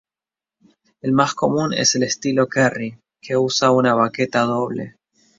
El más común es el ""estilo Kerry"", que usa una baqueta doble.